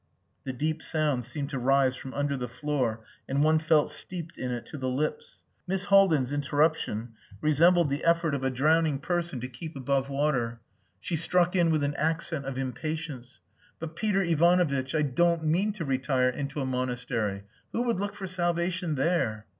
The deep sound seemed to rise from under the floor, and one felt steeped in it to the lips. Miss Haldin's interruption resembled the effort of a drowning person to keep above water. She struck in with an accent of impatience "But, Peter Ivanovitch, I don't mean to retire into a monastery. Who would look for salvation there?"